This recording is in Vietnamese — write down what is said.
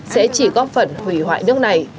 sẽ chỉ góp phần hủy hoại nước này